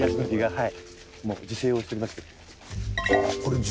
はい。